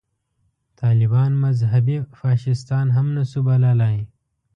طالبان مذهبي فاشیستان هم نه شو بللای.